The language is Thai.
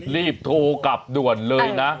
รีบโทรกลับด่วนเลยนะ